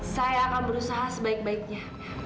saya akan berusaha sebaik baiknya